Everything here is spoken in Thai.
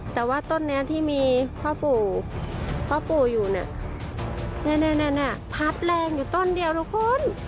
แต่ว่าต้นนี้ที่มีพ่อปู่พ่อปู่อยู่เนี่ยพัดแรงอยู่ต้นเดียวทุกคน